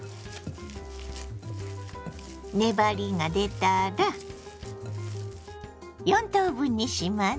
粘りが出たら４等分にします。